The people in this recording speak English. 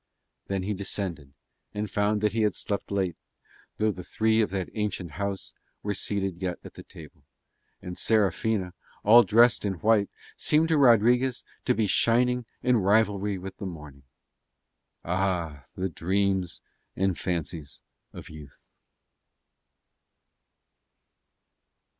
Then he descended, and found that he had slept late, though the three of that ancient house were seated yet at the table, and Serafina all dressed in white seemed to Rodriguez to be shining in rivalry with the morning. Ah dreams and fancies of youth!